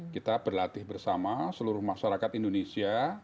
kita berlatih bersama seluruh masyarakat indonesia